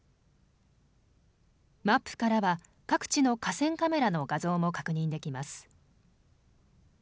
マップからは各地の河川カメラの画像も確認できます。